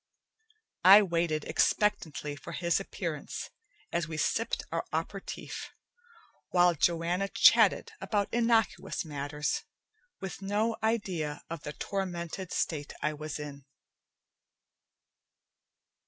I waited expectantly for his appearance as we sipped our aperitif, while Joanna chatted about innocuous matters, with no idea of the tormented state I was in.